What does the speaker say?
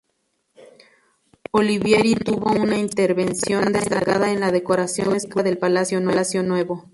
Olivieri tuvo una intervención destacada en la decoración escultórica del Palacio Nuevo.